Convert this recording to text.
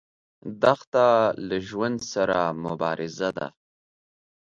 دښته له ژوند سره مبارزه ده.